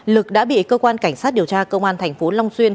lực đã bị cơ quan cảnh sát điều tra công an tp long xuyên